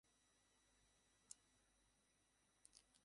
আমরা আজ রাতেই আক্রমণ করব!